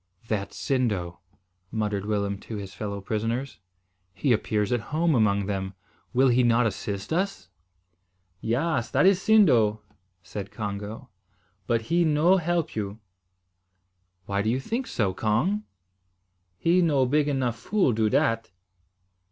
"That's Sindo," muttered Willem to his fellow prisoners. "He appears at home among them. Will he not assist us?" "Yaas, that is Sindo," said Congo, "but he no help you." "Why do you think so, Cong?" "He no big enough fool do dat."